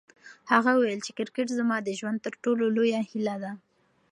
هغه وویل چې کرکټ زما د ژوند تر ټولو لویه هیله ده.